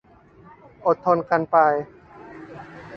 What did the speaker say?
อดทนกันไป